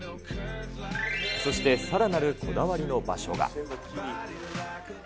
そしてさらなるこだわりの場所が。